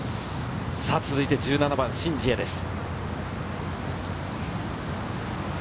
続いて１７番、シン・ジエです。